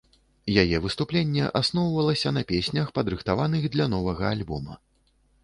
Яе выступленне асноўвалася на песнях, падрыхтаваных для новага альбома.